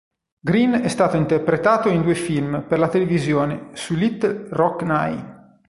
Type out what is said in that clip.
Green è stato interpretato in due film per la televisione sui Little Rock Nine.